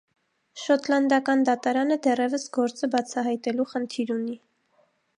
Շոտլանդական դատարանը դեռևս գործը բացահայտելու խնդիր ունի։